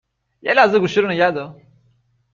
یه لحظه گوشی رو نگهدار